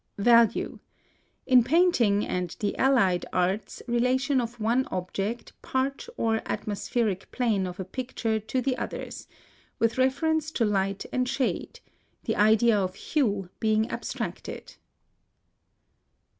+VALUE. In painting and the allied arts, relation of one object, part, or atmospheric plane of a picture to the others, with reference to light and shade, the idea of HUE being abstracted.